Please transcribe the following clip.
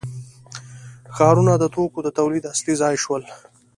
ښارونه د توکو د تولید اصلي ځای شول.